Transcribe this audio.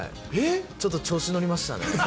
ちょっと調子乗りましたね。